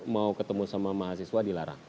mau ketemu sama mahasiswa dilarang